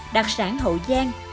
đặc sản hậu giang